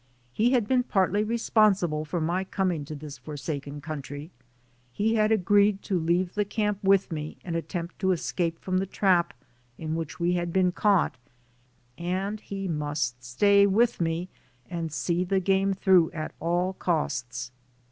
He had been partly responsi ble for my coming to this forsaken country ; he had agreed to leave the camp with me and attempt to escape from the trap in which we had been caught, and he must stay with me and see the game through, at all costs.